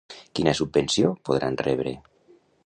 Quina subvenció podran rebre?